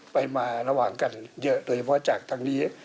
ไปมาระหว่างกันเยอะโดยเฉพาะจากทางนี้